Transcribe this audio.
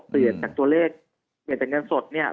เปลี่ยนจากตัวเลขเหมือนแต่เงินสดเนี่ย